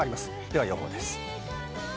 では予報です。